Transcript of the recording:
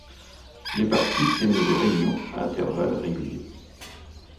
Les Parties tiennent des réunions à intervalles réguliers.